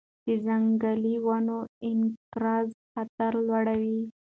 د ځنګلي ونو انقراض خطر لوړ دی.